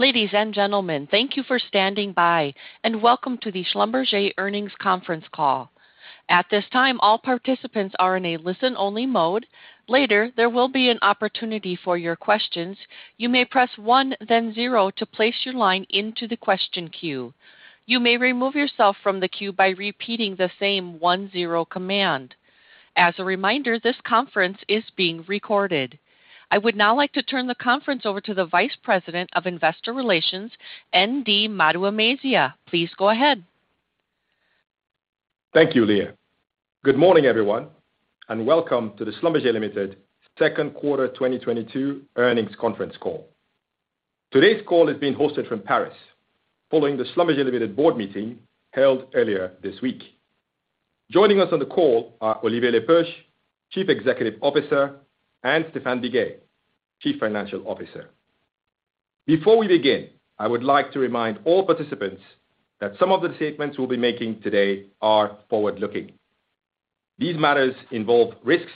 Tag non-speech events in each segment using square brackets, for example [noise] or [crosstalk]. Ladies and gentlemen, thank you for standing by, and welcome to the SLB Earnings Conference Call. At this time, all participants are in a listen-only mode. Later, there will be an opportunity for your questions. You may press one then zero to place your line into the question queue. You may remove yourself from the queue by repeating the same one-zero command. As a reminder, this conference is being recorded. I would now like to turn the conference over to the Vice President of Investor Relations, ND Maduemezia. Please go ahead. Thank you, Leah. Good morning, everyone, and welcome to the Schlumberger Limited Q2 2022 earnings conference call. Today's call is being hosted from Paris, following the Schlumberger Limited board meeting held earlier this week. Joining us on the call are Olivier Le Peuch, Chief Executive Officer, and Stéphane Biguet, Chief Financial Officer. Before we begin, I would like to remind all participants that some of the statements we'll be making today are forward-looking. These matters involve risks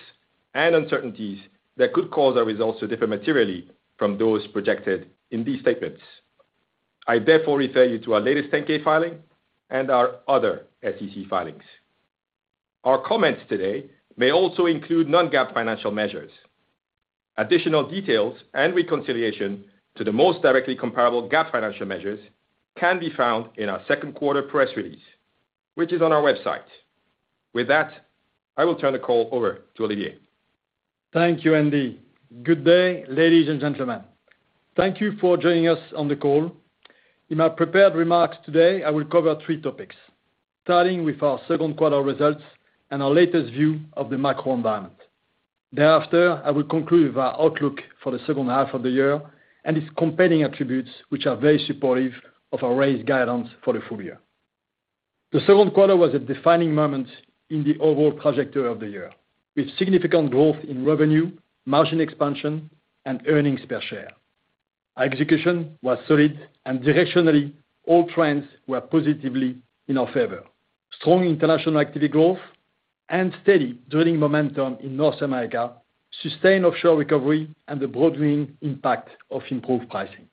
and uncertainties that could cause our results to differ materially from those projected in these statements. I therefore refer you to our latest 10-K filing and our other SEC filings. Our comments today may also include non-GAAP financial measures. Additional details and reconciliation to the most directly comparable GAAP financial measures can be found in our Q2 press release, which is on our website. With that, I will turn the call over to Olivier. Thank you, ND. Good day, ladies and gentlemen. Thank you for joining us on the call. In my prepared remarks today, I will cover three topics, starting with our Q2 results and our latest view of the macro environment. Thereafter, I will conclude with our outlook for the H2 of the year and its competing attributes, which are very supportive of our raised guidance for the full year. The Q2 was a defining moment in the overall trajectory of the year, with significant growth in revenue, margin expansion and earnings per share. Our execution was solid and directionally all trends were positively in our favor. Strong international activity growth and steady drilling momentum in North America, sustained offshore recovery and the broadening impact of improved pricing.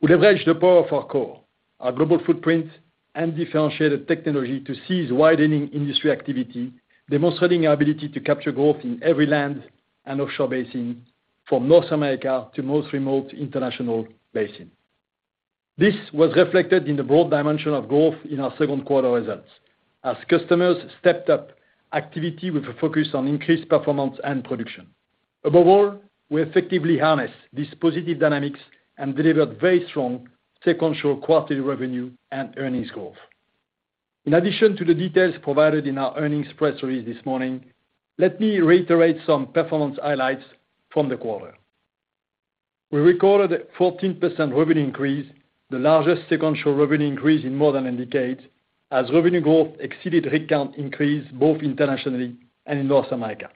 We leveraged the power of our core, our global footprint and differentiated technology to seize widening industry activity, demonstrating our ability to capture growth in every land and offshore basin from North America to most remote international basin. This was reflected in the broad dimension of growth in our Q2 results as customers stepped up activity with a focus on increased performance and production. Above all, we effectively harnessed these positive dynamics and delivered very strong sequential quarterly revenue and earnings growth. In addition to the details provided in our earnings press release this morning, let me reiterate some performance highlights from the quarter. We recorded a 14% revenue increase, the largest sequential revenue increase in more than a decade, as revenue growth exceeded rig count increase both internationally and in North America.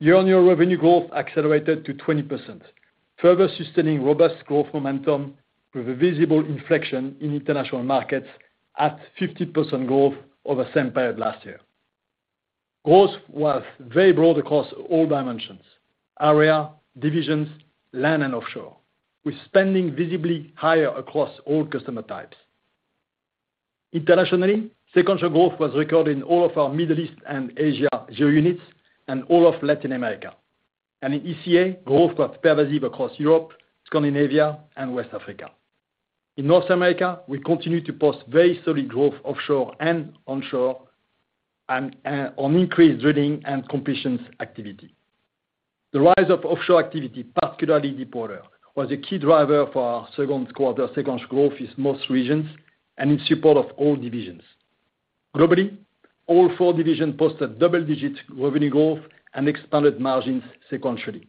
Year-on-year revenue growth accelerated to 20%, further sustaining robust growth momentum with a visible inflection in international markets at 50% growth over the same period last year. Growth was very broad across all dimensions, area, divisions, land and offshore, with spending visibly higher across all customer types. Internationally, sequential growth was recorded in all of our Middle East and Asia geo-units and all of Latin America. In ECA, growth was pervasive across Europe, Scandinavia and West Africa. In North America, we continue to post very solid growth offshore and onshore and on increased drilling and completions activity. The rise of offshore activity, particularly deepwater, was a key driver for our Q2 sequential growth in most regions and in support of all divisions. Globally, all four divisions posted double-digit revenue growth and expanded margins sequentially,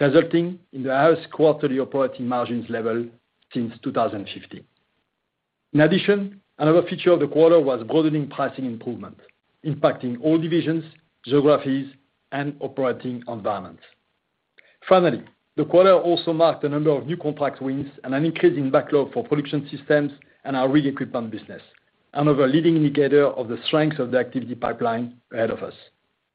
resulting in the highest quarterly operating margins level since 2015. In addition, another feature of the quarter was broadening pricing improvement, impacting all divisions, geographies and operating environments. Finally, the quarter also marked a number of new contract wins and an increase in backlog for Production Systems and our rig equipment business, another leading indicator of the strength of the activity pipeline ahead of us.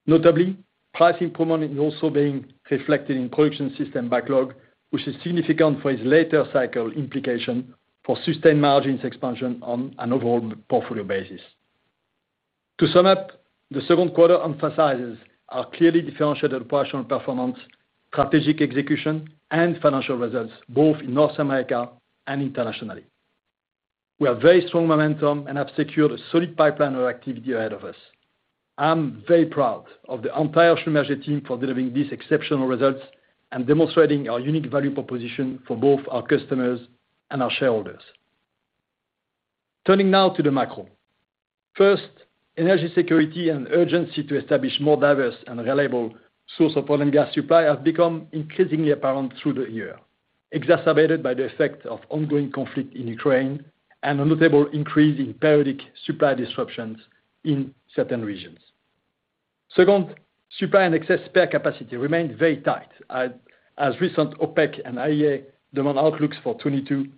Notably, price improvement is also being reflected in Production Systems backlog, which is significant for its later cycle implication for sustained margins expansion on an overall portfolio basis. To sum up, the Q2 emphasizes our clearly differentiated operational performance, strategic execution and financial results, both in North America and internationally. We have very strong momentum and have secured a solid pipeline of activity ahead of us. I'm very proud of the entire Schlumberger team for delivering these exceptional results and demonstrating our unique value proposition for both our customers and our shareholders. Turning now to the macro. First, energy security and urgency to establish more diverse and reliable source of oil and gas supply has become increasingly apparent through the year, exacerbated by the effect of ongoing conflict in Ukraine and a notable increase in periodic supply disruptions in certain regions. Second, supply and excess spare capacity remained very tight as recent OPEC and IEA demand outlooks for 2022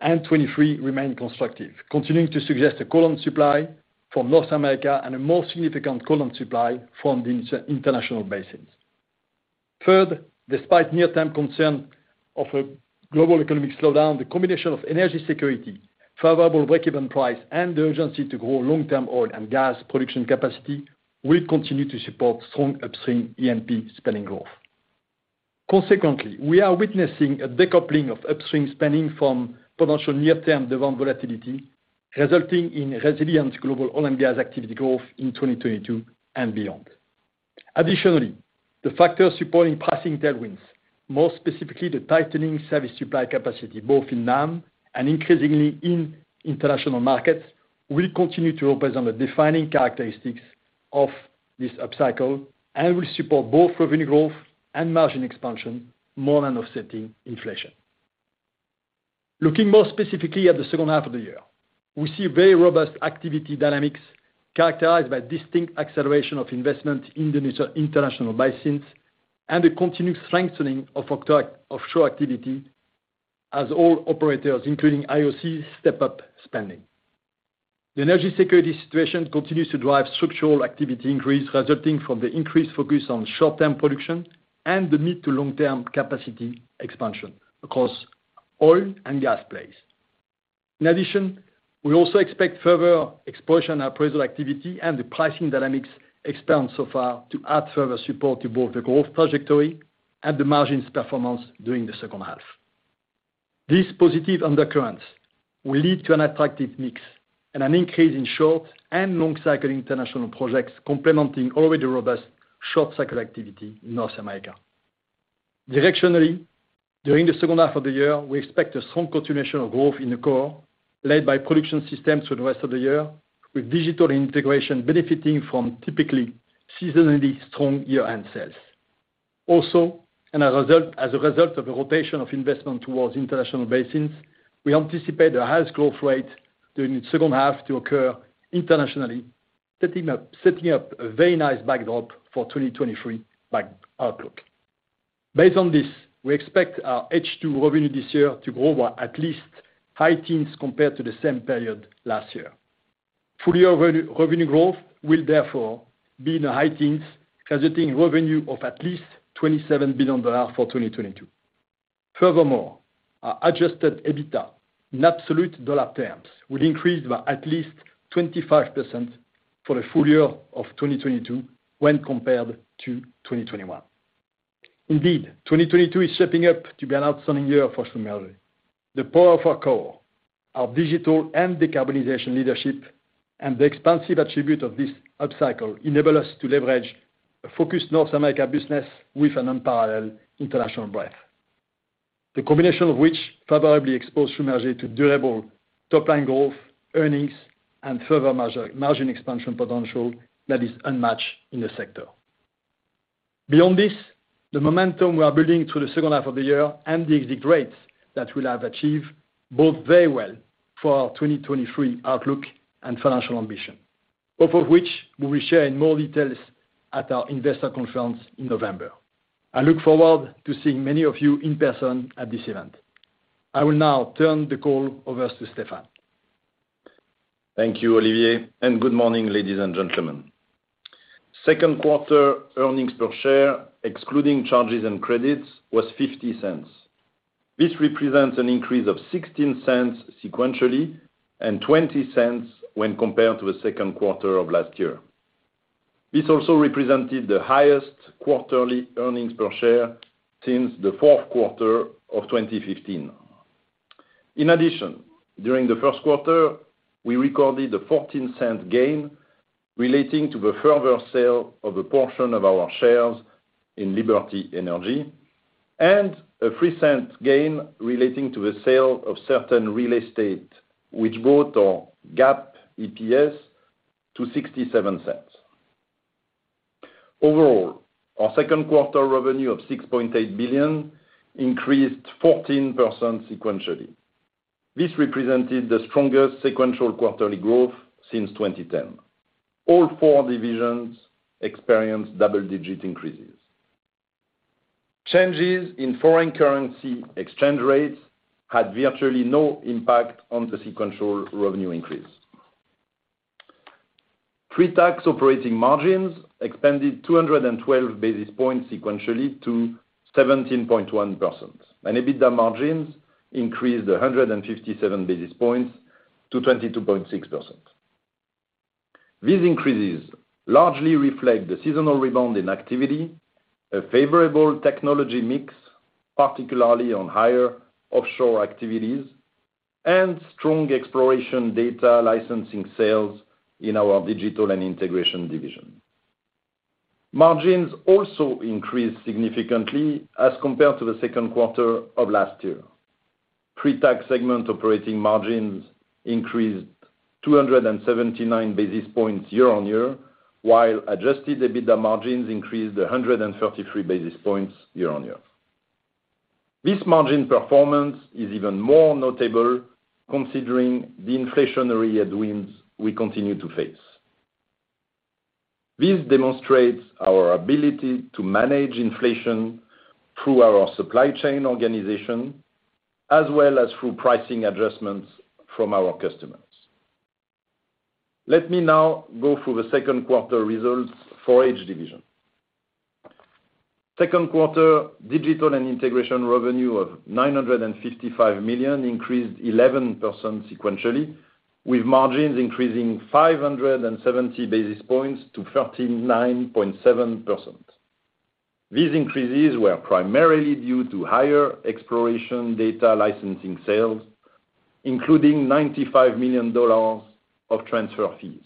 and 2023 remain constructive, continuing to suggest a call on supply from North America and a more significant call on supply from the international basins. Third, despite near-term concern of a global economic slowdown, the combination of energy security, favorable breakeven price, and the urgency to grow long-term oil and gas production capacity will continue to support strong upstream E&P spending growth. Consequently, we are witnessing a decoupling of upstream spending from potential near-term demand volatility, resulting in resilient global oil and gas activity growth in 2022 and beyond. Additionally, the factors supporting persistent tailwinds, more specifically the tightening service supply capacity both in NAM and increasingly in international markets, will continue to represent the defining characteristics of this upcycle and will support both revenue growth and margin expansion more than offsetting inflation. Looking more specifically at the H2 of the year, we see very robust activity dynamics characterized by distinct acceleration of investment in the international basins and a continued strengthening of offshore activity as oil operators, including IOCs, step up spending. The energy security situation continues to drive structural activity increase resulting from the increased focus on short-term production and the need for long-term capacity expansion across oil and gas plays. In addition, we also expect further exploration appraisal activity and the pricing dynamics expansion so far to add further support to both the growth trajectory and the margins performance during the H2. These positive undercurrents will lead to an attractive mix and an increase in short- and long-cycle international projects complementing already robust short-cycle activity in North America. Directionally, during the H2 of the year, we expect a strong continuation of growth in the core, led by Production Systems for the rest of the year, with Digital & Integration benefiting from typically seasonally strong year-end sales. As a result of the rotation of investment towards international basins, we anticipate the highest growth rate during the H2 to occur internationally, setting up a very nice backdrop for 2023 outlook. Based on this, we expect our H2 revenue this year to grow by at least high teens compared to the same period last year. Full year revenue growth will therefore be in the high teens, resulting revenue of at least $27 billion for 2022. Furthermore, our adjusted EBITDA in absolute dollar terms will increase by at least 25% for the full year of 2022 when compared to 2021. Indeed, 2022 is shaping up to be an outstanding year for Schlumberger. The power of our core, our digital and decarbonization leadership, and the expansive attribute of this upcycle enable us to leverage a focused North America business with an unparalleled international breadth. The combination of which favorably exposed Schlumberger to durable top-line growth, earnings, and further margin expansion potential that is unmatched in the sector. Beyond this, the momentum we are building through the H2 of the year and the execution rates that we'll have achieved bode very well for our 2023 outlook and financial ambition, off of which we will share in more details at our investor conference in November. I look forward to seeing many of you in person at this event. I will now turn the call over to Stéphane. Thank you, Olivier, and good morning, ladies and gentlemen. Q2 earnings per share, excluding charges and credits, was $0.50. This represents an increase of $0.16 sequentially and $0.20 when compared to the Q2 of last year. This also represented the highest quarterly earnings per share since the Q4 of 2015. In addition, during the Q1, we recorded a $0.14 gain relating to the further sale of a portion of our shares in Liberty Energy and a $0.03 gain relating to the sale of certain real estate which brought our GAAP EPS to $0.67. Overall, our Q2 revenue of $6.8 billion increased 14% sequentially. This represented the strongest sequential quarterly growth since 2010. All four divisions experienced double-digit increases. Changes in foreign currency exchange rates had virtually no impact on the sequential revenue increase. Pre-tax operating margins expanded 212 basis points sequentially to 17.1%, and EBITDA margins increased 157 basis points to 22.6%. These increases largely reflect the seasonal rebound in activity, a favorable technology mix, particularly on higher offshore activities, and strong exploration data licensing sales in our Digital & Integration division. Margins also increased significantly as compared to the Q2 of last year. Pre-tax segment operating margins increased 279 basis points year-on-year, while adjusted EBITDA margins increased 133 basis points year-on-year. This margin performance is even more notable considering the inflationary headwinds we continue to face. This demonstrates our ability to manage inflation through our supply chain organization as well as through pricing adjustments from our customers. Let me now go through the Q2 results for each division. Q2 Digital & Integration revenue of $955 million increased 11% sequentially, with margins increasing 570 basis points to 39.7%. These increases were primarily due to higher exploration data licensing sales, including $95 million of transfer fees.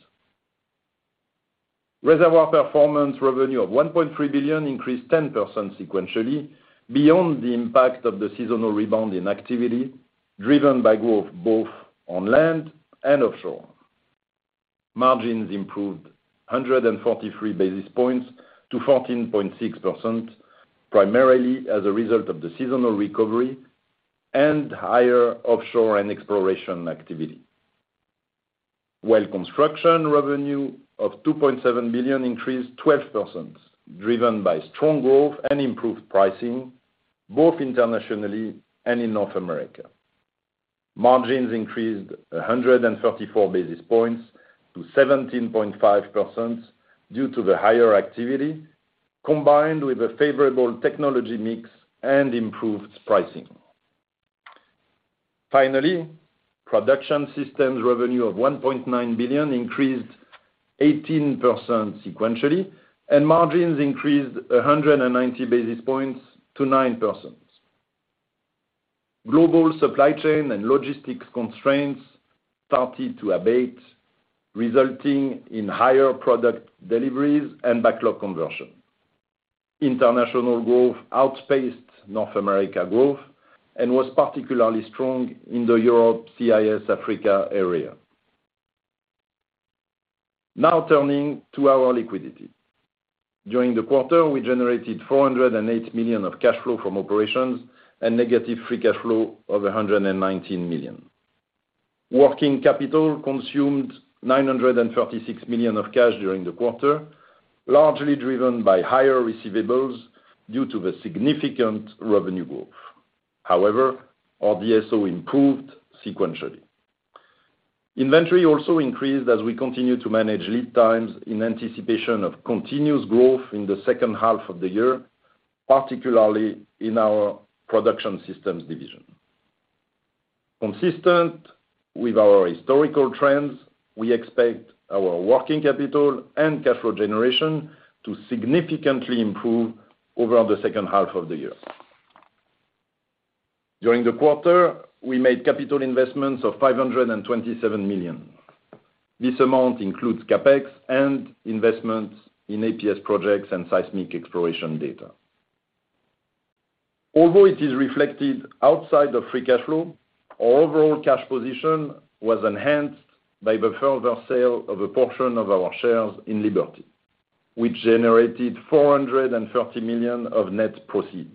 Reservoir Performance revenue of $1.3 billion increased 10% sequentially beyond the impact of the seasonal rebound in activity, driven by growth both on land and offshore. Margins improved 143 basis points to 14.6%, primarily as a result of the seasonal recovery and higher offshore and exploration activity. Well Construction revenue of $2.7 billion increased 12%, driven by strong growth and improved pricing, both internationally and in North America. Margins increased 134 basis points to 17.5% due to the higher activity, combined with a favorable technology mix and improved pricing. Finally, Production Systems revenue of $1.9 billion increased 18% sequentially, and margins increased 190 basis points to 9%. Global supply chain and logistics constraints started to abate, resulting in higher product deliveries and backlog conversion. International growth outpaced North America growth and was particularly strong in the Europe, CIS, Africa area. Now turning to our liquidity. During the quarter, we generated $408 million of cash flow from operations and negative free cash flow of $119 million. Working capital consumed $936 million of cash during the quarter, largely driven by higher receivables due to the significant revenue growth. However, our DSO improved sequentially. Inventory also increased as we continue to manage lead times in anticipation of continuous growth in the H2 of the year, particularly in our Production Systems division. Consistent with our historical trends, we expect our working capital and cash flow generation to significantly improve over the H2 of the year. During the quarter, we made capital investments of $527 million. This amount includes CapEx and investments in APS projects and seismic exploration data. Although it is reflected outside the free cash flow, our overall cash position was enhanced by the further sale of a portion of our shares in Liberty, which generated $430 million of net proceeds.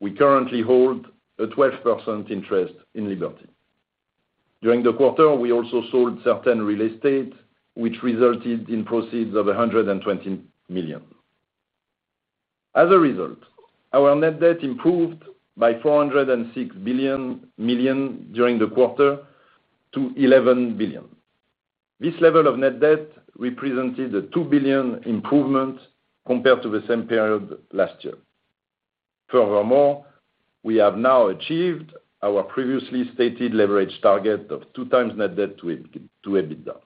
We currently hold a 12% interest in Liberty. During the quarter, we also sold certain real estate, which resulted in proceeds of $120 million. As a result, our net debt improved by $406 million during the quarter to $11 billion. This level of net debt represented a $2 billion improvement compared to the same period last year. Furthermore, we have now achieved our previously stated leverage target of 2x net debt to EBITDA.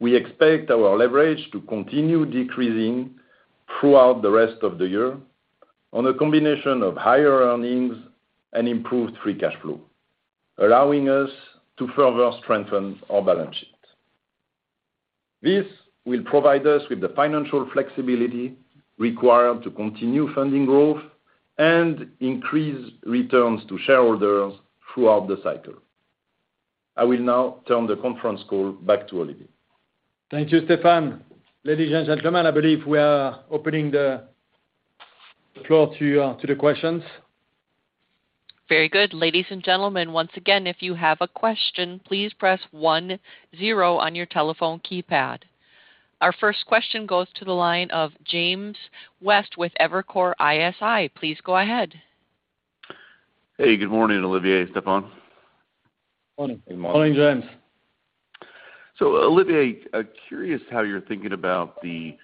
We expect our leverage to continue decreasing throughout the rest of the year on a combination of higher earnings and improved free cash flow, allowing us to further strengthen our balance sheet. This will provide us with the financial flexibility required to continue funding growth and increase returns to shareholders throughout the cycle. I will now turn the conference call back to Olivier. Thank you, Stéphane. Ladies and gentlemen, I believe we are opening the floor to the questions. Very good. Ladies and gentlemen, once again, if you have a question, please press one zero on your telephone keypad. Our first question goes to the line of James West with Evercore ISI. Please go ahead. Hey, good morning, Olivier and Stéphane. Morning. Good morning. Morning, James. Olivier, curious how you're thinking about the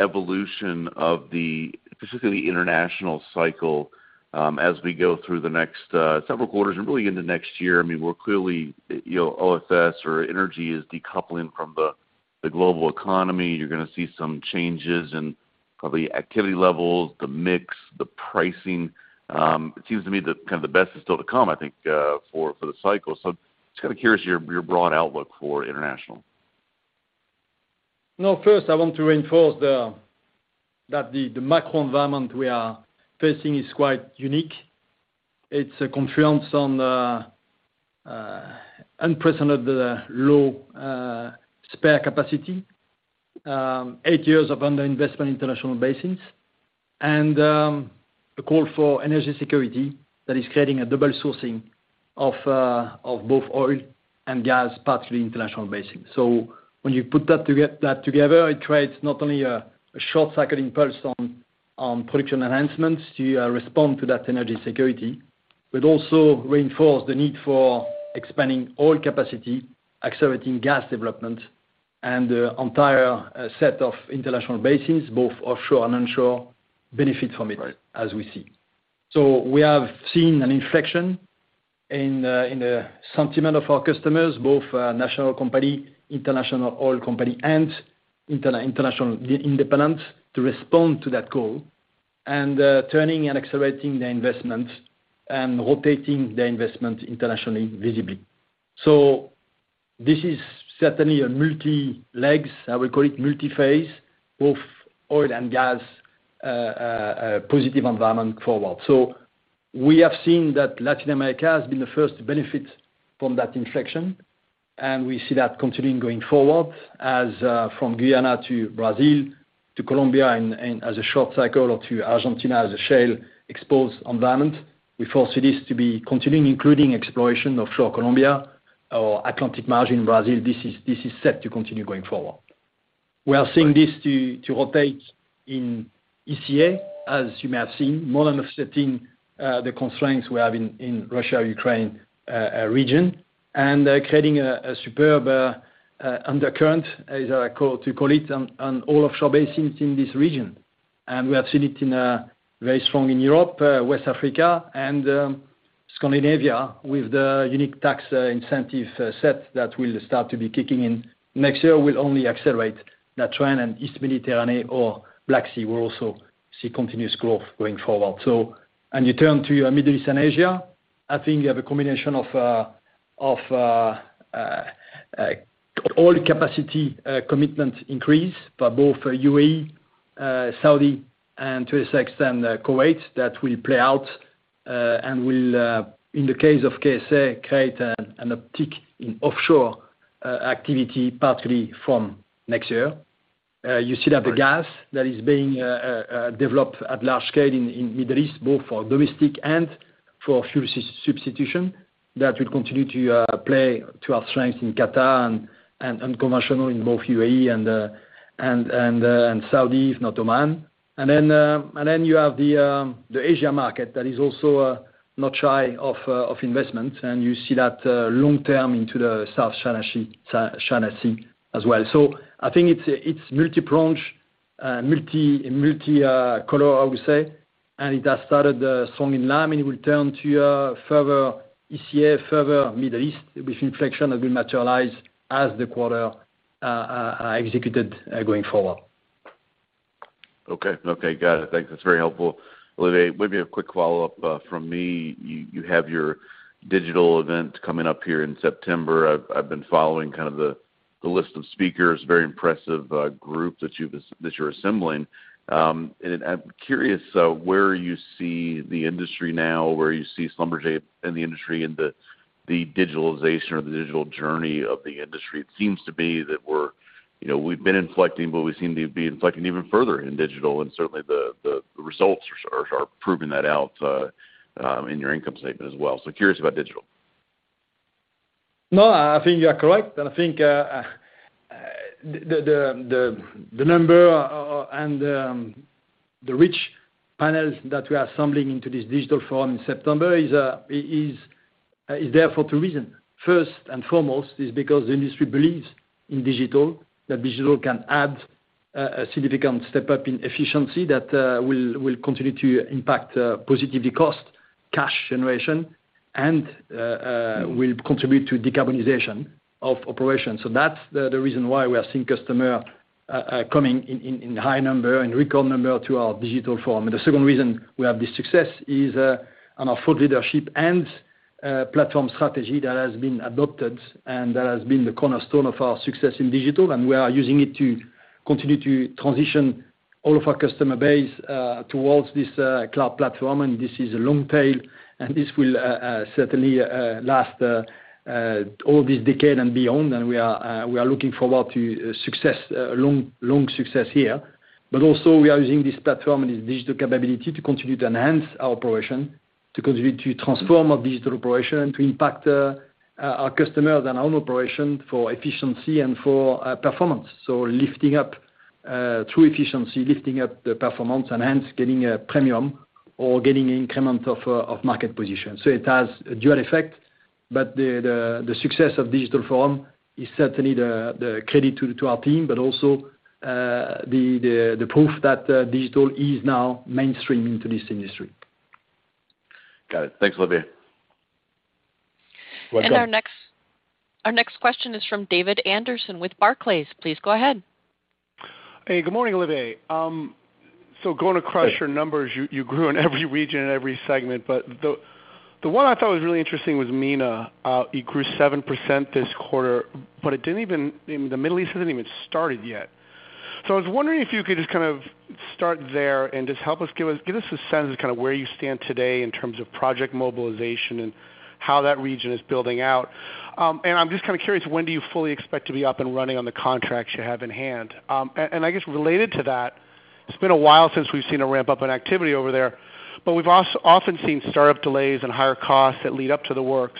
evolution of the, specifically international cycle, as we go through the next several quarters and really into next year. I mean, we're clearly, you know, OFS or energy is decoupling from the global economy. You're gonna see some changes in probably activity levels, the mix, the pricing. It seems to me that kind of the best is still to come, I think, for the cycle. Just kind of curious your broad outlook for international. No, first, I want to reinforce that the macro environment we are facing is quite unique. It's a confluence of unprecedented low spare capacity, eight years of under-investment in international basins, and a call for energy security that is creating a double sourcing of both oil and gas, particularly international basins. When you put that together, it creates not only a short cycle impulse on production enhancements to respond to that energy security but also reinforce the need for expanding oil capacity, accelerating gas development, and the entire set of international basins, both offshore and onshore, benefit from it. Right. As we see. We have seen an inflection in the sentiment of our customers, both national company, international oil company, and international independents to respond to that call. Turning and accelerating their investment and rotating their investment internationally, visibly. This is certainly a multi-legs, I will call it multi-phase, both oil and gas, positive environment forward. We have seen that Latin America has been the first to benefit from that inflection, and we see that continuing going forward as from Guyana to Brazil to Colombia and as a short cycle or to Argentina as a shale exposed environment. We foresee this to be continuing, including exploration offshore Colombia or Atlantic margin Brazil. This is set to continue going forward. We are seeing this to rotate in ECA, as you may have seen. More than offsetting the constraints we have in Russia, Ukraine region. Creating a superb undercurrent, as I call it, on all offshore basins in this region. We have seen it very strong in Europe, West Africa and Scandinavia with the unique tax incentive set that will start to be kicking in. Next year will only accelerate that trend. East Mediterranean or Black Sea will also see continuous growth going forward. You turn to Middle East and Asia. I think you have a combination of oil capacity commitment increase by both UAE, Saudi, and to an extent, Kuwait that will play out and will, in the case of KSA, create an uptick in offshore activity partly from next year. You see that the gas that is being developed at large scale in Middle East, both for domestic and for fuel substitution. That will continue to play to our strength in Qatar and conventional in both UAE and Saudi if not Oman. You have the Asia market that is also not shy of investment. You see that long-term into the South China Sea, South China Sea as well. I think it's multi-pronged, multi-color, I would say. It has started strong in LATAM, and it will turn to further ECA, further Middle East, which inflection will materialize as the quarter executed going forward. Okay. Got it. Thanks. That's very helpful. Olivier, maybe a quick follow-up from me. You have your digital event coming up here in September. I've been following kind of the list of speakers. Very impressive group that you're assembling. I'm curious where you see the industry now, where you see Schlumberger in the industry in the digitalization or the digital journey of the industry. It seems to be that we're, you know, we've been inflecting, but we seem to be inflecting even further in digital and certainly the results are proving that out in your income statement as well. Curious about digital. No, I think you are correct. I think the number and the rich panels that we are assembling into this digital forum in September is there for two reason. First and foremost is because the industry believes in digital. That digital can add a significant step up in efficiency that will continue to impact positively cost, cash generation and will contribute to decarbonization of operations. That's the reason why we are seeing customer coming in high number and record number to our digital forum. The second reason we have this success is on our thought leadership and platform strategy that has been adopted, and that has been the cornerstone of our success in digital. We are using it to continue to transition all of our customer base towards this cloud platform. This is a long tail, and this will certainly last all this decade and beyond. We are looking forward to success, long success here. Also, we are using this platform and this digital capability to continue to enhance our operation, to continue to transform our digital operation, to impact our customers and our own operation for efficiency and for performance. Lifting up through efficiency, lifting up the performance, and hence getting a premium or getting an increment of market position. It has a dual effect, but the success of digital forum is certainly the credit to our team, but also, the proof that digital is now mainstream into this industry. Got it. Thanks, Olivier. You're welcome. Our next question is from David Anderson with Barclays. Please go ahead. Hey, good morning, Olivier. Going to crush your numbers. You grew in every region and every segment. The one I thought was really interesting was MENA. You grew 7% this quarter, but it didn't even, I mean, the Middle East hasn't even started yet. I was wondering if you could just kind of start there and just help us, give us a sense of kind of where you stand today in terms of project mobilization and how that region is building out. I'm just kinda curious, when do you fully expect to be up and running on the contracts you have in hand? I guess related to that, it's been a while since we've seen a ramp-up in activity over there, but we've often seen startup delays and higher costs that lead up to the work.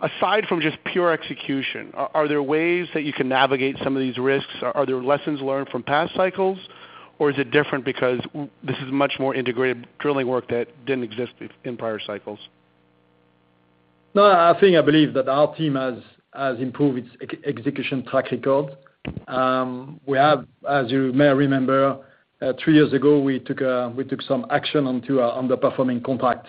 Aside from just pure execution, are there ways that you can navigate some of these risks? Are there lessons learned from past cycles? Or is it different because this is much more integrated drilling work that didn't exist in prior cycles? No, I think I believe that our team has improved its execution track record. We have, as you may remember, three years ago, we took some action onto our underperforming contract.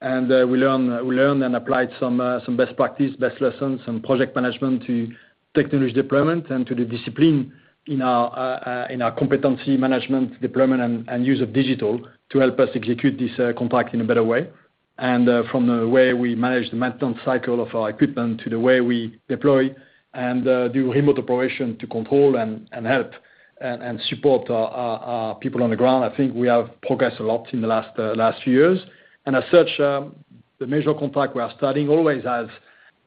We learned and applied some best practice, best lessons and project management to technology deployment and to the discipline in our competency management deployment and use of digital to help us execute this contract in a better way. From the way we manage the maintenance cycle of our equipment to the way we deploy and do remote operation to control and help and support our people on the ground, I think we have progressed a lot in the last few years. As such, the major contract we are starting always has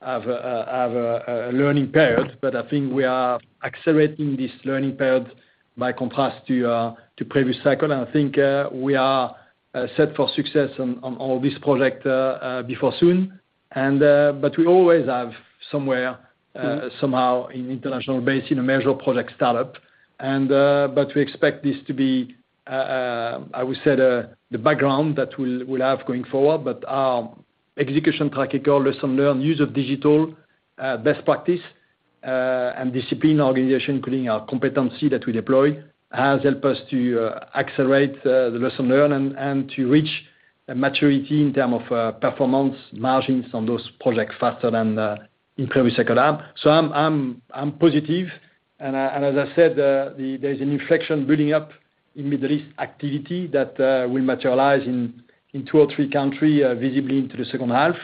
a learning period, but I think we are accelerating this learning period by contrast to previous cycle. I think we are set for success on all these projects very soon. But we always have somewhere somehow in international space in a major project startup. But we expect this to be, I would say, the background that we'll have going forward. Our execution track record, lessons learned, use of digital, best practices, and disciplined organization, including our competency that we deploy, has helped us to accelerate the lessons learned and to reach a maturity in terms of performance margins on those projects faster than in previous cycle. I'm positive. As I said, there's an inflection building up in Middle East activity that will materialize in two or three countries visibly into the H2.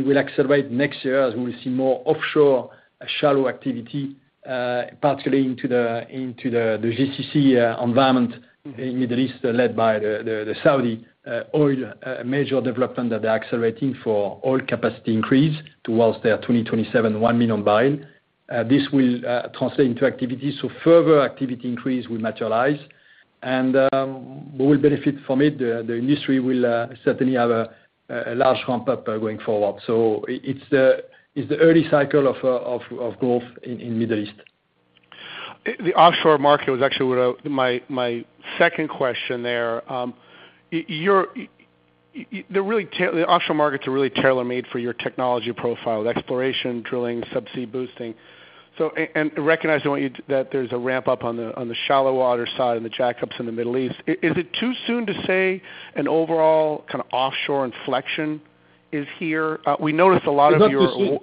It will accelerate next year as we see more offshore shallow activity, particularly into the GCC environment in Middle East led by the Saudi oil major development that they're accelerating for oil capacity increase towards their 2027 one million barrel. This will translate into activity, so further activity increase will materialize. We will benefit from it. The industry will certainly have a large ramp up going forward. It's the early cycle of growth in Middle East. The offshore market was actually what my second question there. The offshore markets are really tailor-made for your technology profile, exploration, drilling, subsea boosting. Recognizing that there's a ramp up on the shallow water side and the jackups in the Middle East, is it too soon to say an overall kinda offshore inflection is here? We noticed a lot of your. It's not too soon.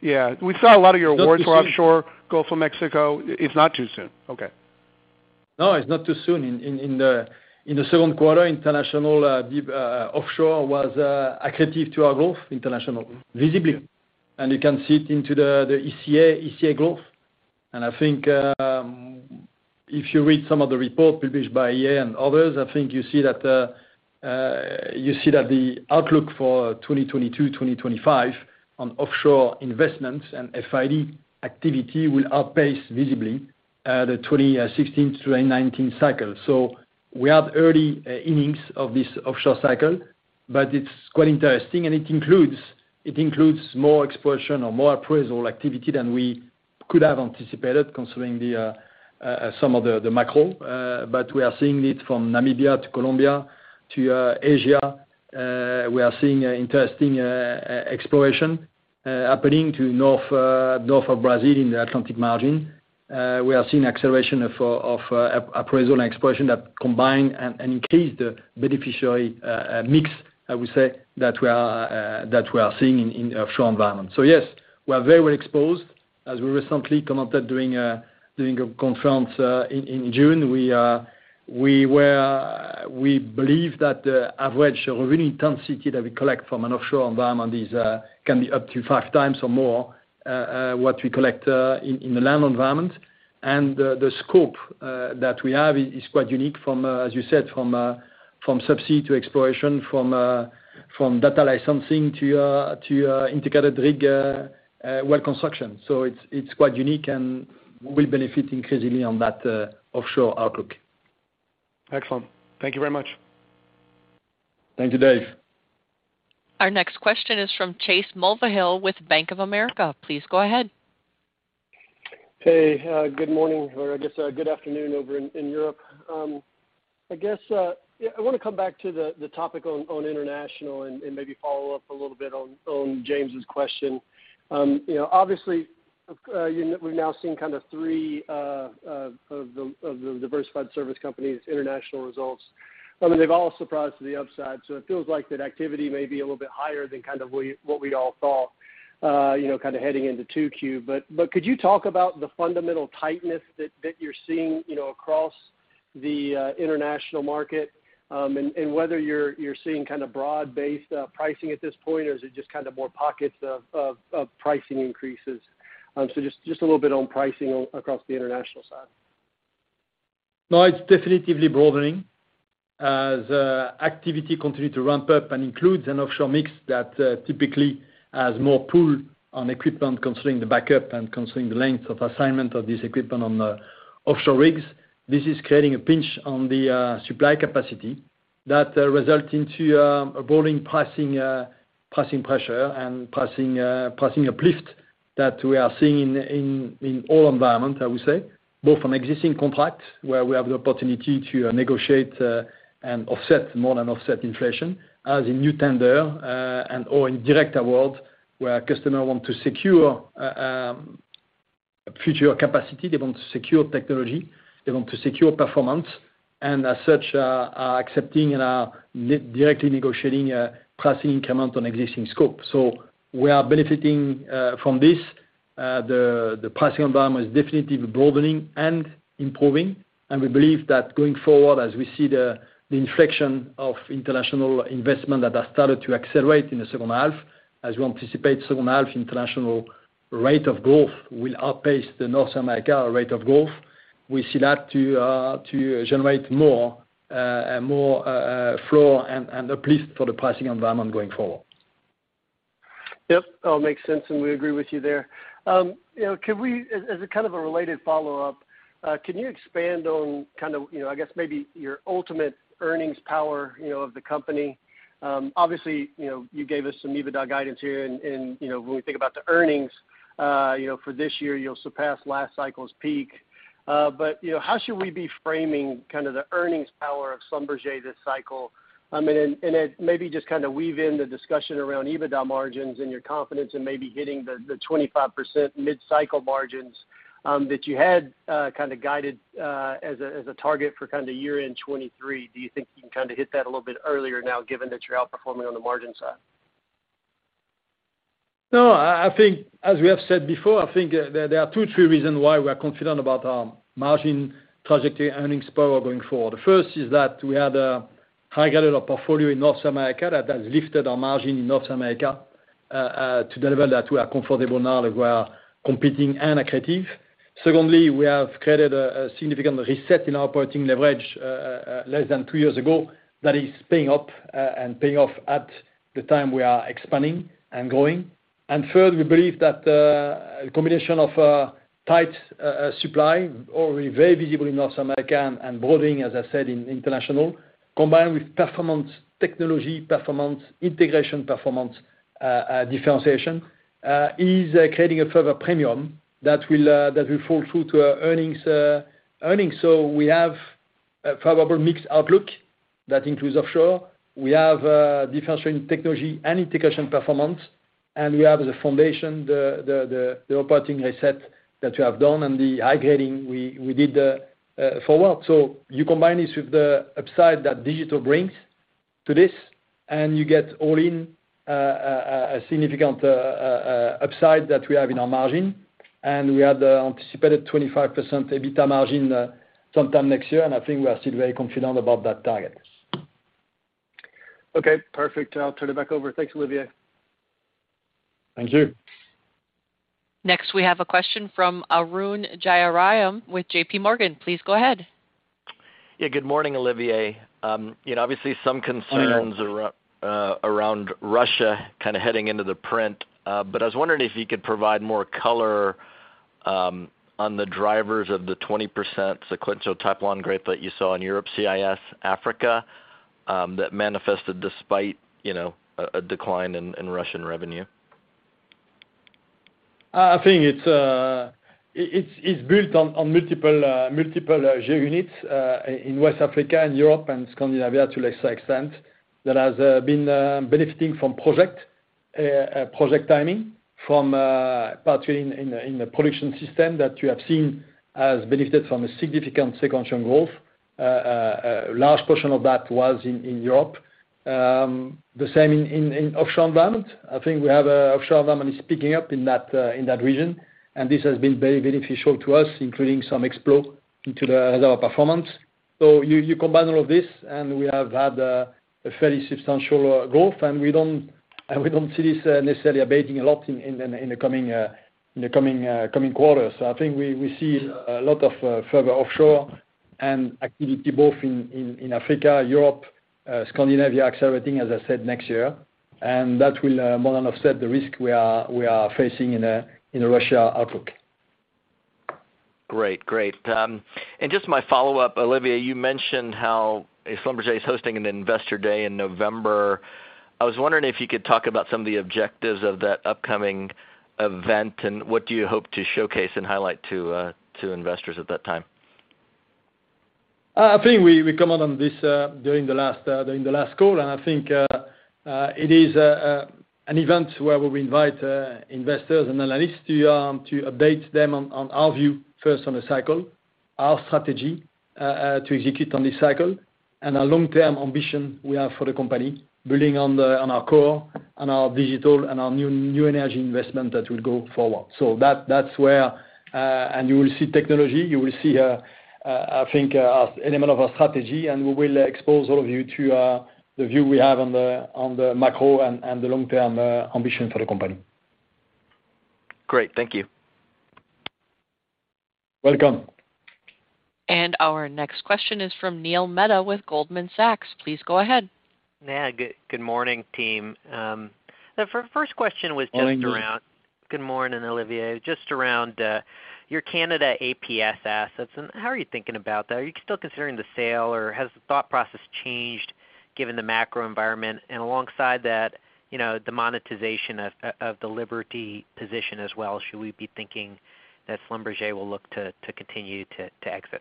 Yeah. We saw a lot of your awards. It's not too soon. We were offshore, Gulf of Mexico. It's not too soon. Okay. No, it's not too soon. In the Q2, international deep offshore was accretive to our growth, international visibly. You can see it in the ECA growth. I think if you read some of the reports published by IEA and others, you see that the outlook for 2022-2025 on offshore investments and FID activity will outpace visibly the 2016 through 2019 cycle. We are at early innings of this offshore cycle, but it's quite interesting. It includes more exploration or more appraisal activity than we could have anticipated considering some of the macro. We are seeing it from Namibia to Colombia to Asia. We are seeing interesting exploration happening to the north of Brazil in the Atlantic margin. We are seeing acceleration of appraisal and exploration that combine and increase the beneficiary mix, I would say, that we are seeing in offshore environment. Yes, we are very well exposed. As we recently commented during a conference in June, we believe that the average revenue intensity that we collect from an offshore environment is, can be up to 5x or more what we collect in the land environment. The scope that we have is quite unique from, as you said, from subsea to exploration, from data licensing to integrated rig well construction. It's quite unique and will benefit increasingly on that offshore outlook. Excellent. Thank you very much. Thank you, Dave. Our next question is from Chase Mulvehill with Bank of America. Please go ahead. Hey, good morning, or I guess good afternoon over in Europe. I guess yeah, I want to come back to the topic on international and maybe follow up a little bit on James' question. You know, obviously you know, we've now seen kind of three of the diversified service companies' international results. I mean, they've all surprised to the upside, so it feels like that activity may be a little bit higher than kind of what we all thought you know, kinda heading into 2Q. But could you talk about the fundamental tightness that you're seeing you know, across the international market, and whether you're seeing kinda broad-based pricing at this point, or is it just kinda more pockets of pricing increases? Just a little bit on pricing across the international side. No, it's definitively broadening. Activity continues to ramp up and includes an offshore mix that typically has more pull on equipment considering the backup and considering the length of assignment of this equipment on the offshore rigs. This is creating a pinch on the supply capacity that results in a rolling pricing pressure and pricing uplift that we are seeing in all environments, I would say, both from existing contracts where we have the opportunity to negotiate and offset more than offset inflation, as in new tenders and or in direct award, where a customer wants to secure future capacity, they want to secure technology, they want to secure performance, and as such are accepting and are directly negotiating pricing increment on existing scope. We are benefiting from this. The pricing environment is definitely broadening and improving. We believe that going forward, as we see the inflection of international investment that has started to accelerate in the H2, as we anticipate H2 international rate of growth will outpace the North America rate of growth. We see that to generate more flow and uplift for the pricing environment going forward. Yep. All makes sense, and we agree with you there. You know, can we, as a kind of a related follow-up, can you expand on kind of, you know, I guess maybe your ultimate earnings power, you know, of the company? Obviously, you know, you gave us some EBITDA guidance here and, you know, when we think about the earnings, you know, for this year, you'll surpass last cycle's peak. You know, how should we be framing kind of the earnings power of Schlumberger this cycle? I mean, and maybe just kind of weave in the discussion around EBITDA margins and your confidence in maybe hitting the 25% mid-cycle margins, that you had kind of guided, as a target for kind of year-end 2023. Do you think you can kind of hit that a little bit earlier now, given that you're outperforming on the margin side? No, I think as we have said before, there are two, three reasons why we are confident about our margin trajectory earnings power going forward. First is that we had a high level of portfolio in North America that has lifted our margin in North America to a level that we are comfortable now that we are competing and are creative. Secondly, we have created a significant reset in our operating leverage less than two years ago that is paying off at the time we are expanding and growing. Third, we believe that a combination of tight supply already very visible in North America and broadening, as I said, in international, combined with performance technology, performance integration, performance differentiation, is creating a further premium that will fall through to our earnings. We have a favorable mixed outlook that includes offshore. We have a differentiating technology and integration performance, and we have the foundation, the operating reset that we have done and the high grading we did for work. You combine this with the upside that digital brings to this, and you get all in a significant upside that we have in our margin. We have the anticipated 25% EBITDA margin sometime next year, and I think we are still very confident about that target. Okay. Perfect. I'll turn it back over. Thanks, Olivier. Thank you. Next, we have a question from Arun Jayaram with JPMorgan. Please go ahead. Yeah. Good morning, Olivier. You know, obviously some concerns around Russia kind of heading into the print. But I was wondering if you could provide more color on the drivers of the 20% sequential type one growth that you saw in Europe, CIS, Africa, that manifested despite, you know, a decline in Russian revenue. I think it's built on multiple geo units in West Africa and Europe and Scandinavia to a lesser extent that has been benefiting from project timing, particularly in the Production Systems that you have seen has benefited from a significant sequential growth. A large portion of that was in Europe. The same in offshore environment. I think an offshore environment is picking up in that region, and this has been very beneficial to us, including some exploration into the Reservoir Performance. You combine all of this, and we have had a fairly substantial growth, and we don't see this necessarily abating a lot in the coming quarters. I think we see a lot of further offshore activity both in Africa, Europe, Scandinavia accelerating, as I said, next year. That will more than offset the risk we are facing in the Russia outlook. Great. Just my follow-up, Olivier. You mentioned how Schlumberger is hosting an investor day in November. I was wondering if you could talk about some of the objectives of that upcoming event, and what do you hope to showcase and highlight to investors at that time? I think we commented on this during the last call, and I think it is an event where we invite investors and analysts to update them on our view, first on the cycle, our strategy to execute on this cycle, and our long-term ambition we have for the company, building on our core and our digital and our new energy investment that will go forward. That's where, and you will see technology, you will see, I think, element of our strategy, and we will expose all of you to the view we have on the macro and the long-term ambition for the company. Great. Thank you. Welcome. Our next question is from Neil Mehta with Goldman Sachs. Please go ahead. Yeah. Good morning, team. The first question was just around. Morning, Neil. Good morning, Olivier. Just around your Canada APS assets and how are you thinking about that? Are you still considering the sale, or has the thought process changed given the macro environment? Alongside that, you know, the monetization of the Liberty position as well, should we be thinking that Schlumberger will look to continue to exit?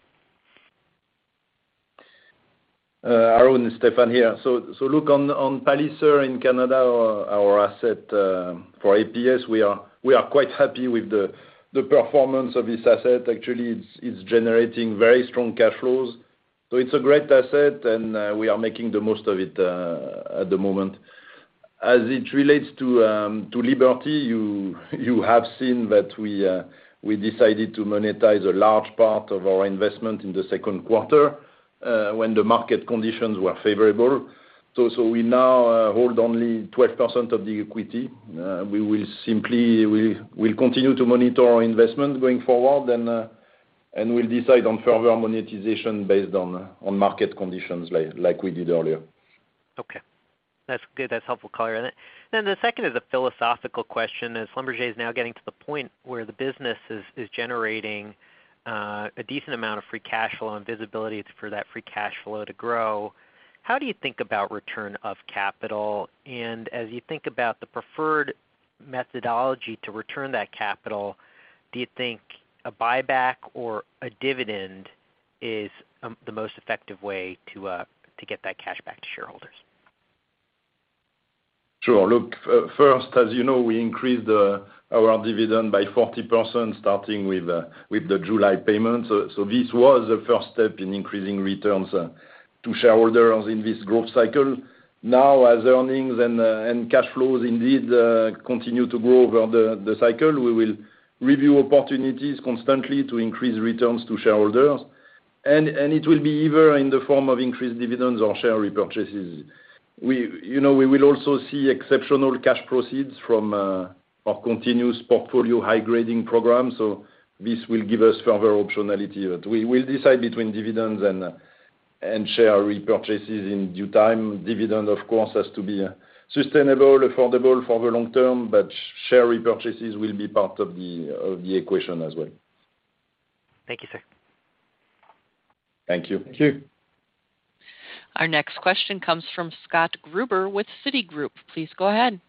Arun, Stéphane here. Look on Palliser in Canada, our asset for APS. We are quite happy with the performance of this asset. Actually, it's generating very strong cash flows. It's a great asset, and we are making the most of it at the moment. As it relates to Liberty Energy, you have seen that we decided to monetize a large part of our investment in the Q2 when the market conditions were favorable. We now hold only 12% of the equity. We will continue to monitor our investment going forward, and we'll decide on further monetization based on market conditions like we did earlier. Okay. That's good. That's helpful color in it. The second is a philosophical question, as Schlumberger now getting to the point where the business is generating a decent amount of free cash flow and visibility for that free cash flow to grow, how do you think about return of capital? As you think about the preferred methodology to return that capital, do you think a buyback or a dividend is the most effective way to get that cash back to shareholders? Sure. Look, first, as you know, we increased our dividend by 40%, starting with the July payment. This was the first step in increasing returns to shareholders in this growth cycle. Now, as earnings and cash flows indeed continue to grow over the cycle, we will review opportunities constantly to increase returns to shareholders. It will be either in the form of increased dividends or share repurchases. We, you know, will also see exceptional cash proceeds from our continuous portfolio high grading program. This will give us further optionality. But we will decide between dividends and share repurchases in due time. Dividend, of course, has to be sustainable, affordable for the long term, but share repurchases will be part of the equation as well. Thank you, sir. Thank you. Thank you. Our next question comes from Scott Gruber with Citigroup. Please go ahead.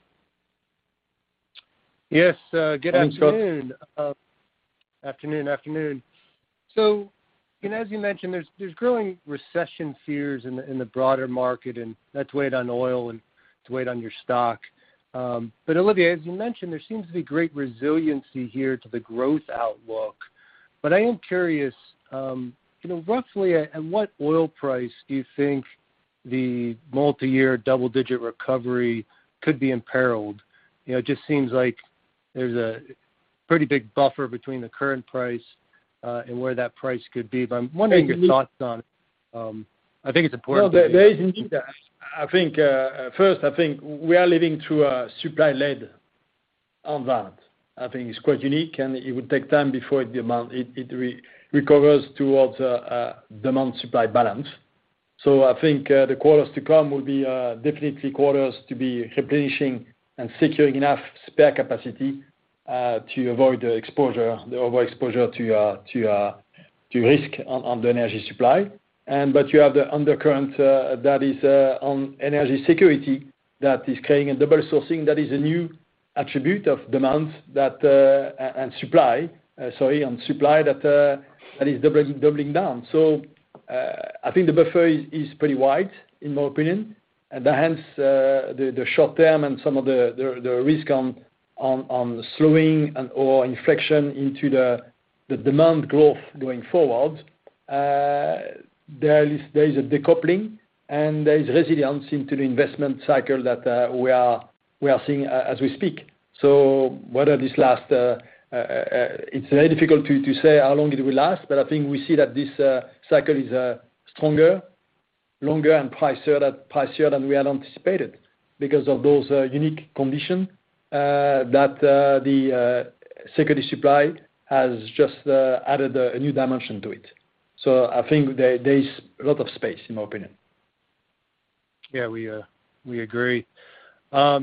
Yes. Hello, Scott. Good afternoon. You know, as you mentioned, there's growing recession fears in the broader market, and that's weighed on oil and it's weighed on your stock. Olivier, as you mentioned, there seems to be great resiliency here to the growth outlook. I am curious, you know, roughly at what oil price do you think the multi-year double-digit recovery could be imperiled? You know, it just seems like there's a pretty big buffer between the current price and where that price could be. I'm wondering your thoughts on, I think it's important to- No, there is indeed that. I think, first, I think we are living through a supply lead on that. I think it's quite unique, and it would take time before the amount recovers towards demand supply balance. I think the quarters to come will be definitely quarters to be replenishing and securing enough spare capacity to avoid the overexposure to risk on the energy supply. But you have the undercurrent that is on energy security that is creating a double sourcing that is a new attribute of demand and supply that is doubling down. I think the buffer is pretty wide, in my opinion. Hence, the short term and some of the risk on slowing and or inflection into the demand growth going forward. There is a decoupling and there is resilience into the investment cycle that we are seeing as we speak. Whether this last, it's very difficult to say how long it will last, but I think we see that this cycle is stronger, longer and pricier than we had anticipated because of those unique condition that the security supply has just added a new dimension to it. I think there is a lot of space, in my opinion. Yeah, we agree. A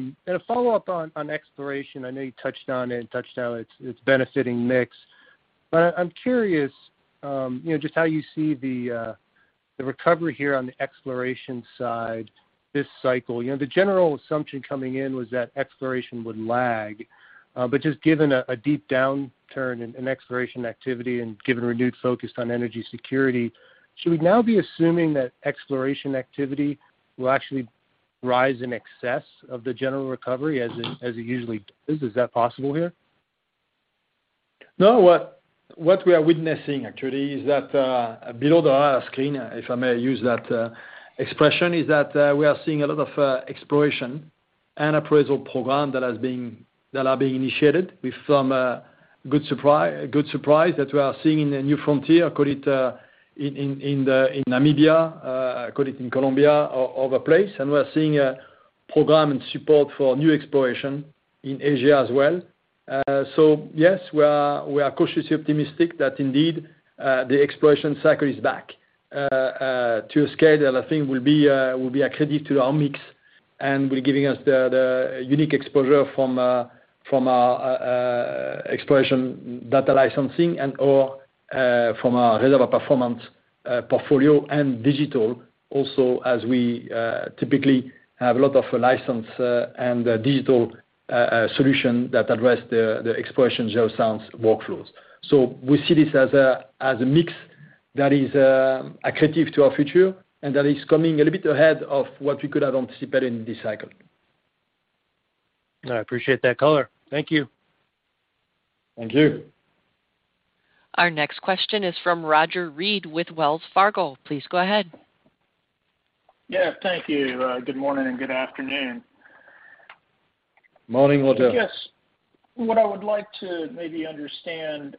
follow-up on exploration. I know you touched on it, how it's benefiting mix. I'm curious, you know, just how you see the recovery here on the exploration side this cycle. You know, the general assumption coming in was that exploration would lag, but just given a deep downturn in exploration activity and given renewed focus on energy security, should we now be assuming that exploration activity will actually rise in excess of the general recovery as it usually does? Is that possible here? What we are witnessing actually is that below the screen, if I may use that expression, we are seeing a lot of exploration and appraisal programs that are being initiated with some good surprises that we are seeing in the new frontier, call it in Namibia, call it in Colombia or the place. We are seeing a program and support for new exploration in Asia as well. Yes, we are cautiously optimistic that indeed the exploration cycle is back to a scale that I think will be accretive to our mix, and will give us the unique exposure from our exploration data licensing and/or from our Reservoir Performance portfolio and Digital also as we typically have a lot of licensing and Digital solutions that address the exploration geoscience workflows. We see this as a mix that is accretive to our future and that is coming a little bit ahead of what we could have anticipated in this cycle. I appreciate that color. Thank you. Thank you. Our next question is from Roger Read with Wells Fargo, please go ahead. Yeah, thank you. Good morning and good afternoon. Morning, Roger. I guess what I would like to maybe understand,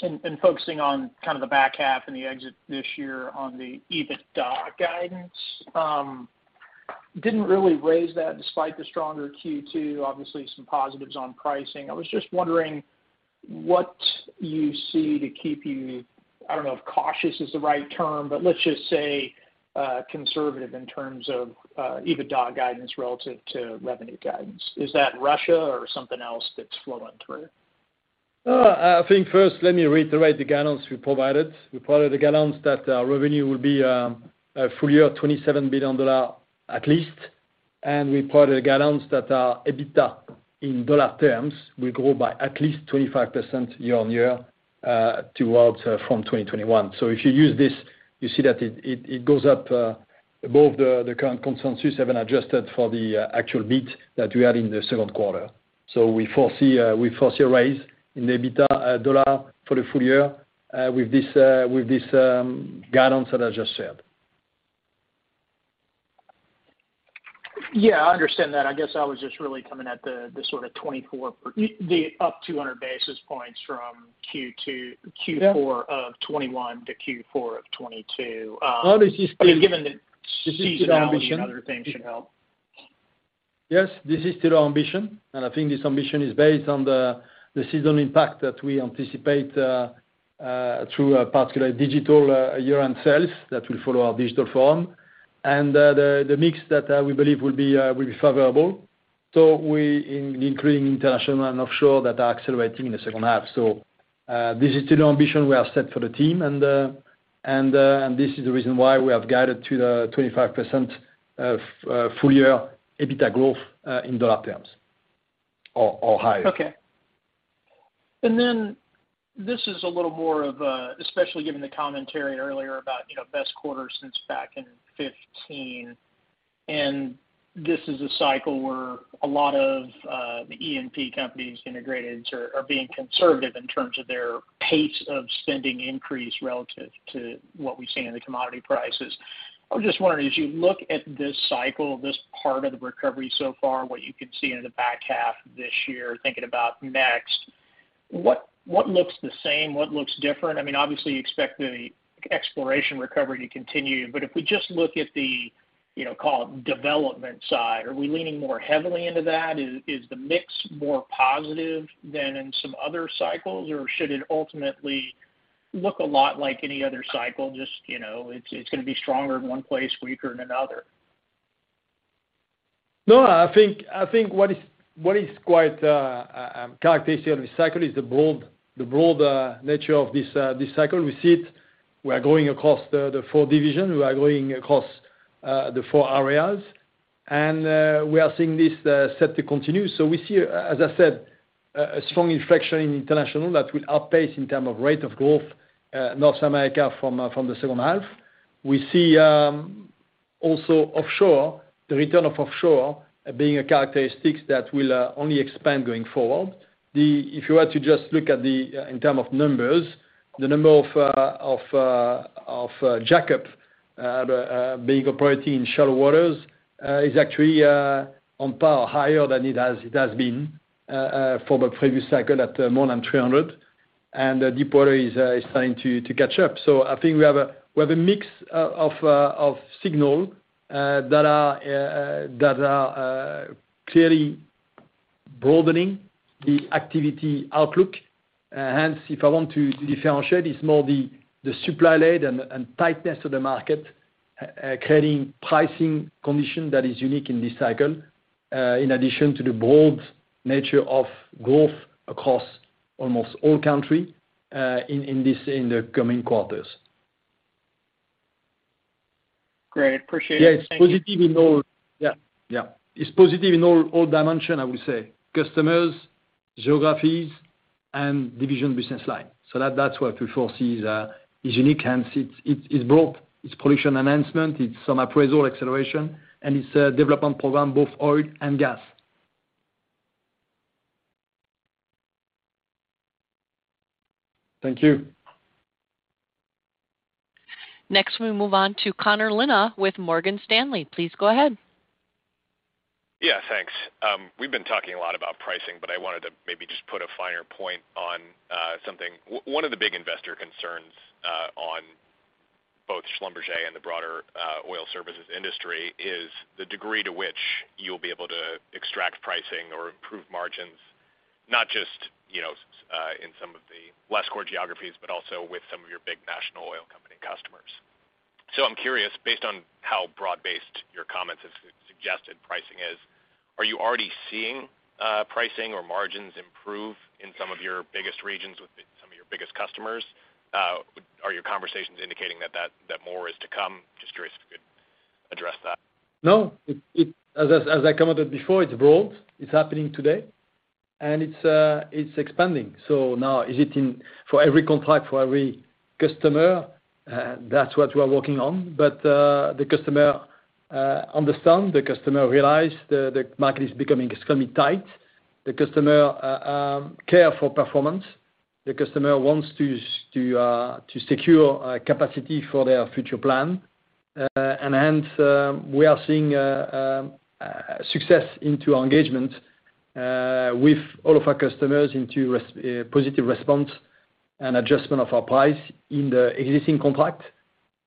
in focusing on kind of the back half and the exit this year on the EBITDA guidance. Didn't really raise that despite the stronger Q2, obviously some positives on pricing. I was just wondering what you see to keep you, I don't know if cautious is the right term, but let's just say, conservative in terms of, EBITDA guidance relative to revenue guidance. Is that Russia or something else that's flowing through? I think first let me reiterate the guidance we provided. We provided the guidance that revenue will be full year $27 billion at least. We provided the guidance that EBITDA in dollar terms will grow by at least 25% year-on-year from 2021. If you use this, you see that it goes up above the current consensus haven't adjusted for the actual beat that we had in the Q2. We foresee a raise in EBITDA dollar for the full year with this guidance that I just shared. Yeah, I understand that. I guess I was just really coming at the sort of 24% up 200 basis points from Q2. Yeah. Q4 of 2021 to Q4 of 2022. No, this is still. I mean, given the seasonality and other things should help. Yes, this is still our ambition. I think this ambition is based on the seasonal impact that we anticipate through a particular digital year-end sales that will follow our digital form. The mix that we believe will be favorable, including international and offshore that are accelerating in the H2. This is still the ambition we have set for the team and this is the reason why we have guided to the 25% full-year EBITDA growth in dollar terms or higher. Okay. This is a little more of a, especially given the commentary earlier about, you know, best quarter since back in 2015. This is a cycle where a lot of the E&P companies integrated are being conservative in terms of their pace of spending increase relative to what we've seen in the commodity prices. I was just wondering, as you look at this cycle, this part of the recovery so far, what you can see in the back half this year, thinking about next. What looks the same? What looks different? I mean, obviously you expect the exploration recovery to continue. If we just look at the, you know, call it development side, are we leaning more heavily into that? Is the mix more positive than in some other cycles? Or should it ultimately look a lot like any other cycle? Just, you know, it's gonna be stronger in one place, weaker in another. No, I think what is quite characteristic of this cycle is the broad nature of this cycle. We see it. We are growing across the four divisions. We are growing across the four areas. We are seeing this set to continue. We see, as I said, a strong inflection in international that will outpace in terms of rate of growth North America from the H2. We see also offshore, the return of offshore being a characteristic that will only expand going forward. If you were to just look at the in terms of numbers, the number of jack-up operating in shallow waters is actually on par higher than it has been for the previous cycle at more than 300. The deep water is starting to catch up. I think we have a mix of signals that are clearly broadening the activity outlook. Hence, if I want to differentiate, it's more the supply lead and tightness to the market creating pricing conditions that are unique in this cycle, in addition to the broad nature of growth across almost all countries in the coming quarters. Great. Appreciate it. Thank you. Yeah, it's positive in all. Yeah, yeah. It's positive in all dimensions, I would say. Customers, geographies, and divisional business lines. That's what we foresee is unique. Hence, it's both. It's production enhancement, it's some appraisal acceleration, and it's a development program, both oil and gas. Thank you. Next, we move on to Connor Lynagh with Morgan Stanley. Please go ahead. Yeah, thanks. We've been talking a lot about pricing, but I wanted to maybe just put a finer point on something. One of the big investor concerns on both Schlumberger and the broader oil services industry is the degree to which you'll be able to extract pricing or improve margins, not just, you know, in some of the less core geographies, but also with some of your big national oil company customers. I'm curious, based on how broad-based your comments have suggested pricing is, are you already seeing pricing or margins improve in some of your biggest regions with some of your biggest customers? Are your conversations indicating that more is to come? Just curious if you could address that? No, it, as I commented before, it's broad, it's happening today, and it's expanding. Now, is it in for every contract, for every customer? That's what we're working on. The customer care for performance. The customer wants to secure capacity for their future plan. Hence, we are seeing success in our engagement with all of our customers, positive response and adjustment of our price in the existing contract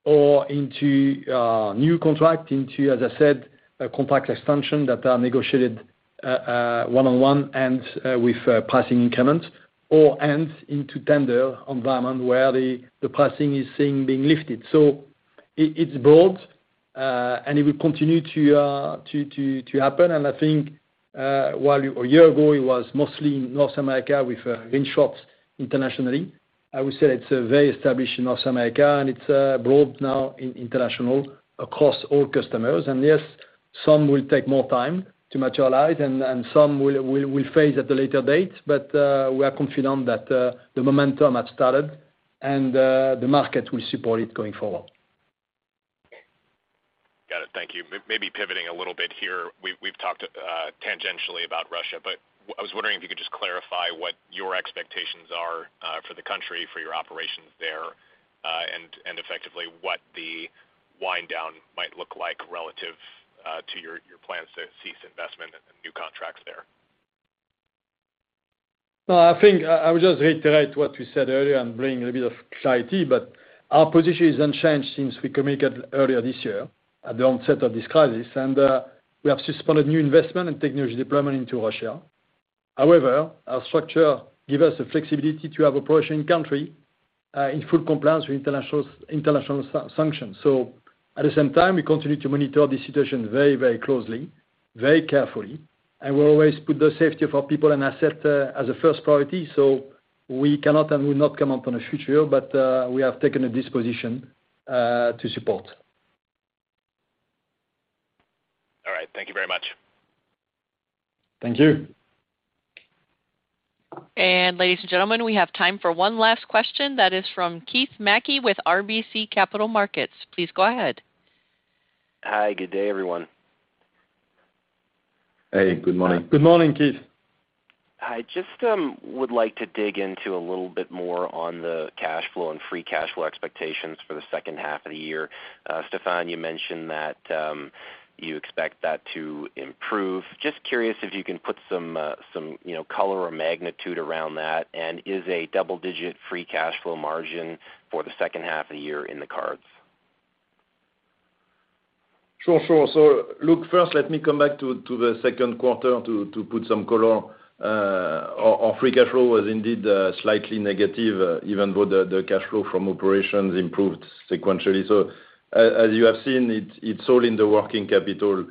or in new contract, in, as I said, a contract extension that are negotiated one-on-one and with pricing increments or in tender environment where the pricing is seen being lifted. It's broad, and it will continue to happen. I think while a year ago it was mostly in North America with wins short internationally, I would say it's very established in North America and it's broad now in international across all customers. Yes, some will take more time to materialize and some will phase at a later date. We are confident that the momentum has started and the market will support it going forward. Got it. Thank you. Maybe pivoting a little bit here, we've talked tangentially about Russia, but I was wondering if you could just clarify what your expectations are for the country, for your operations there, and effectively what the wind down might look like relative to your plans to cease investment and new contracts there. No, I think I would just reiterate what we said earlier and bring a bit of clarity. Our position is unchanged since we communicated earlier this year at the onset of this crisis. We have suspended new investment and technology deployment into Russia. However, our structure gives us the flexibility to have operations in the country in full compliance with international sanctions. At the same time, we continue to monitor the situation very, very closely, very carefully, and we'll always put the safety of our people and assets as a first priority. We cannot and will not comment on the future, but we have taken a position to support. All right. Thank you very much. Thank you. Ladies and gentlemen, we have time for one last question. That is from Keith Mackey with RBC Capital Markets. Please go ahead. Hi. Good day, everyone. Hey, good morning. Good morning, Keith. I just would like to dig into a little bit more on the cash flow and free cash flow expectations for the H2 of the year. Stéphane, you mentioned that you expect that to improve. Just curious if you can put some you know color or magnitude around that, and is a double digit free cash flow margin for the H2 of the year in the cards? Sure. Look, first let me come back to the Q2 to put some color. Our free cash flow was indeed slightly negative, even though the cash flow from operations improved sequentially. As you have seen, it's all in the working capital.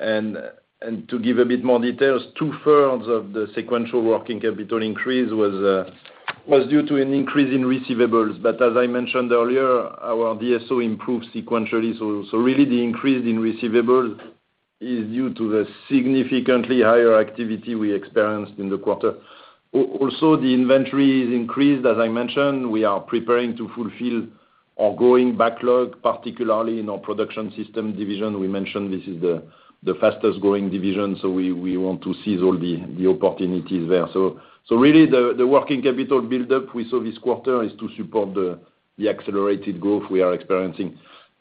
To give a bit more details, two-thirds of the sequential working capital increase was due to an increase in receivables. As I mentioned earlier, our DSO improved sequentially. Really the increase in receivables is due to the significantly higher activity we experienced in the quarter. Also, the inventory is increased. As I mentioned, we are preparing to fulfill our growing backlog, particularly in our Production Systems division. We mentioned this is the fastest growing division, so we want to seize all the opportunities there. Really the working capital buildup we saw this quarter is to support the accelerated growth we are experiencing.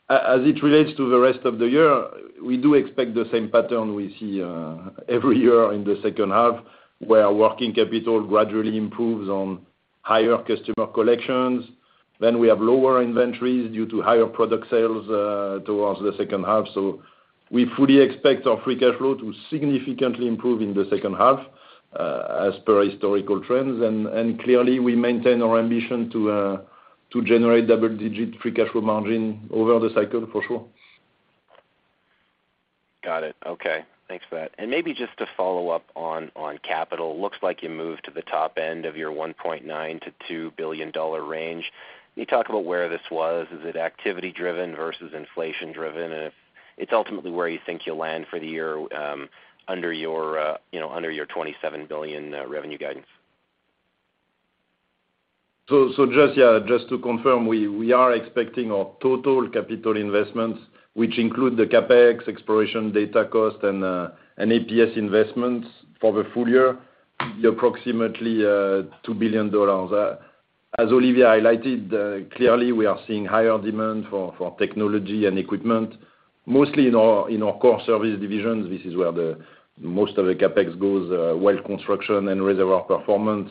As it relates to the rest of the year, we do expect the same pattern we see every year in the H2, where working capital gradually improves on higher customer collections, then we have lower inventories due to higher product sales towards the H2. We fully expect our free cash flow to significantly improve in the H2, as per historical trends. Clearly we maintain our ambition to generate double digit free cash flow margin over the cycle, for sure. Got it. Okay. Thanks for that. Maybe just to follow up on capital, looks like you moved to the top end of your $1.9-$2 billion range. Can you talk about where this was? Is it activity driven versus inflation driven? If it's ultimately where you think you'll land for the year, under your $27 billion revenue guidance. Just to confirm, we are expecting our total capital investments, which include the CapEx, exploration data cost, and APS investments for the full year, approximately $2 billion. As Olivier highlighted, clearly we are seeing higher demand for technology and equipment, mostly in our core service divisions. This is where most of the CapEx goes, Well Construction and Reservoir Performance.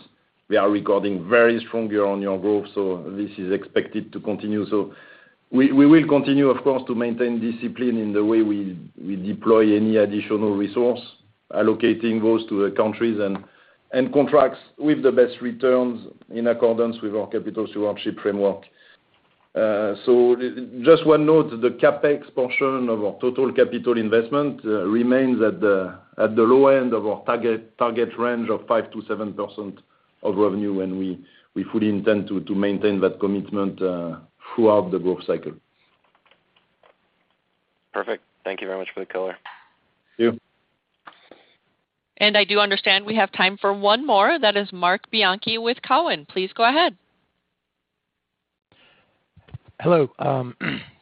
We are recording very strong year-on-year growth, so this is expected to continue. We will continue, of course, to maintain discipline in the way we deploy any additional resource, allocating those to the countries and contracts with the best returns in accordance with our capital stewardship framework. Just one note, the CapEx portion of our total capital investment remains at the low end of our target range of 5%-7% of revenue, and we fully intend to maintain that commitment throughout the growth cycle. Perfect. Thank you very much for the color. Thank you. I do understand we have time for one more. That is Marc Bianchi with Cowen. Please go ahead. Hello.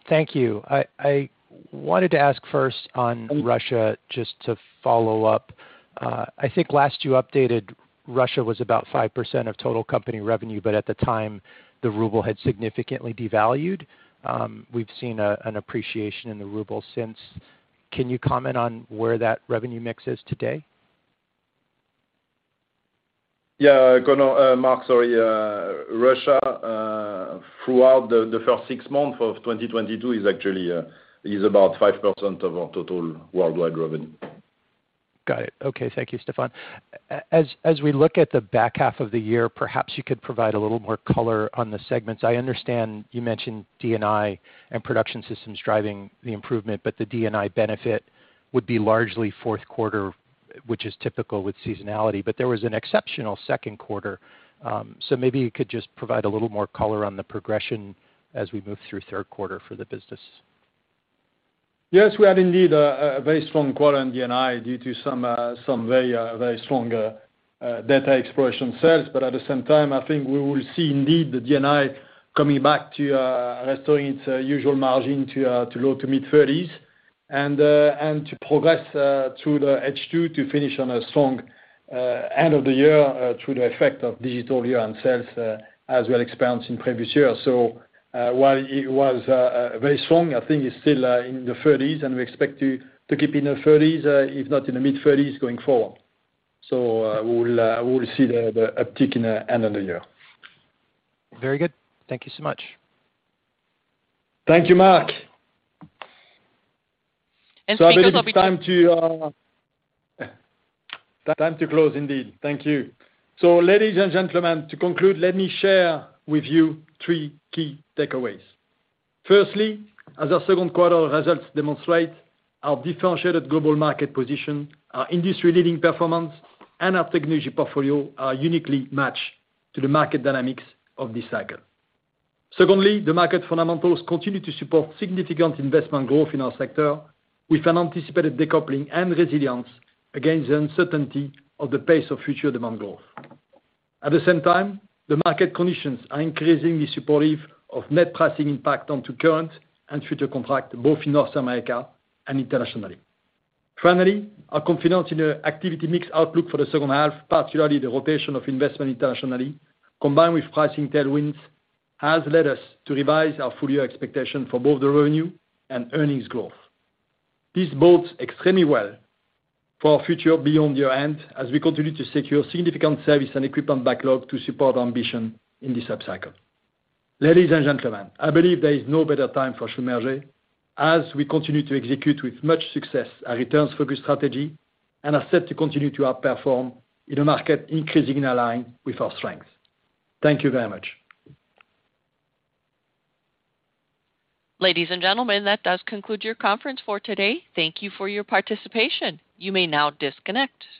Thank you. I wanted to ask first on Russia, just to follow up. I think last you updated, Russia was about 5% of total company revenue, but at the time, the ruble had significantly devalued. We've seen an appreciation in the ruble since. Can you comment on where that revenue mix is today? Yeah. Marc, sorry. Russia throughout the first six months of 2022 is actually about 5% of our total worldwide revenue. Got it. Okay. Thank you, Stéphane. As we look at the back half of the year, perhaps you could provide a little more color on the segments. I understand you mentioned D&I and Production Systems driving the improvement, but the D&I benefit would be largely Q4, which is typical with seasonality. There was an exceptional Q2. Maybe you could just provide a little more color on the progression as we move through Q3 for the business. Yes, we had indeed a very strong quarter on D&I due to some very strong data exploration sales. At the same time, I think we will see indeed the D&I coming back to restoring its usual margin to low- to mid-30s%. To progress through the H2 to finish on a strong end of the year through the effect of digital year-on-year sales as we experienced in previous years. While it was very strong, I think it's still in the 30s%, and we expect to keep in the 30s%, if not in the mid-30s% going forward. We will see the uptick in the end of the year. Very good. Thank you so much. Thank you, Marc. I believe. [crosstalk] I believe it's time to close indeed. Thank you. Ladies and gentlemen, to conclude, let me share with you three key takeaways. Firstly, as our Q2 results demonstrate, our differentiated global market position, our industry leading performance and our technology portfolio are uniquely matched to the market dynamics of this cycle. Secondly, the market fundamentals continue to support significant investment growth in our sector with an anticipated decoupling and resilience against the uncertainty of the pace of future demand growth. At the same time, the market conditions are increasingly supportive of net pricing impact onto current and future contracts, both in North America and internationally. Finally, our confidence in the activity mix outlook for the H2, particularly the rotation of investment internationally, combined with pricing tailwinds, has led us to revise our full year expectation for both the revenue and earnings growth. This bodes extremely well for our future beyond year-end as we continue to secure significant service and equipment backlog to support our ambition in this upcycle. Ladies and gentlemen, I believe there is no better time for Schlumberger as we continue to execute with much success our returns-focused strategy and are set to continue to outperform in a market increasingly aligned with our strength. Thank you very much. Ladies and gentlemen, that does conclude your conference for today. Thank you for your participation. You may now disconnect.